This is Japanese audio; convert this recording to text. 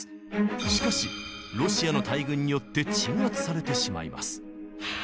しかしロシアの大軍によって鎮圧されてしまいます。